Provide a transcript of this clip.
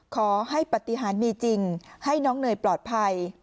ขอให้ปฏิหารมีจริงให้น้องเนยปลอดภัย